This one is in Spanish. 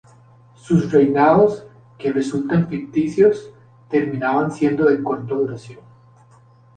Sus reinados, que resultan ficticios, terminan siendo de corta duración.